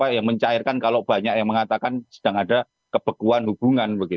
yang mencairkan kalau banyak yang mengatakan sedang ada kebekuan hubungan